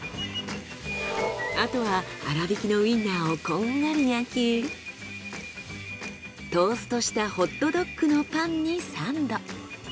あとは粗びきのウインナーをこんがり焼きトーストしたホットドッグのパンにサンド。